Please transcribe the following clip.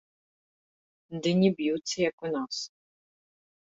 Ды не б'юцца, як у нас.